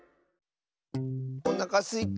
おなかすいた。